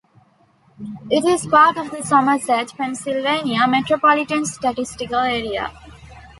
It is part of the Somerset, Pennsylvania, Metropolitan Statistical Area.